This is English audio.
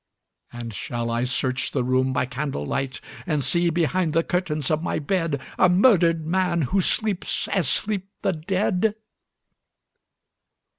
And shall I search the room by candle light And see, behind the curtains of my bed, A murdered man who sleeps as sleep the dead?